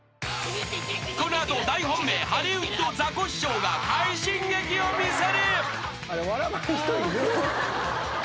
［この後大本命ハリウッドザコシショウが快進撃を見せる］